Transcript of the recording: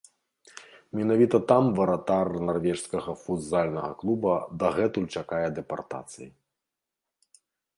Менавіта там варатар нарвежскага футзальнага клуба дагэтуль чакае дэпартацыі.